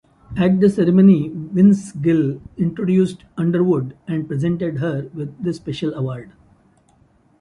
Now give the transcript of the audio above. At the ceremony, Vince Gill introduced Underwood and presented her with the special award.